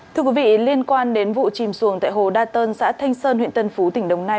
thưa quý vị liên quan đến vụ chìm xuồng tại hồ đa tân xã thanh sơn huyện tân phú tỉnh đồng nai